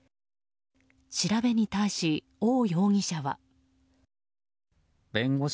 調べに対し、オウ容疑者は。